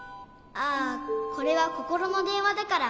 あこれはココロのでんわだから。